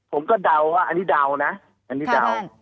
ผมก็ดาวว่าอันนี้ดาวนะอันนี้ดาว